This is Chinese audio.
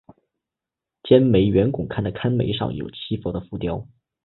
尖楣圆拱龛的龛楣上有七佛的浮雕。